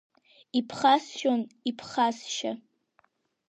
Иԥхасшьон, иԥхасшьа.